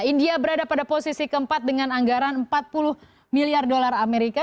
india berada pada posisi keempat dengan anggaran empat puluh miliar dolar amerika